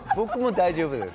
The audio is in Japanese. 大丈夫です。